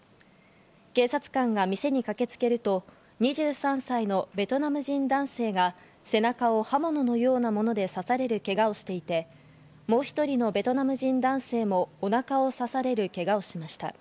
警察官が店に駆けつけると、２３歳のベトナム人男性が背中を刃物のようなもので刺されるけがをしていて、もう１人のベトナム人男性もお腹をさされるけがをしました。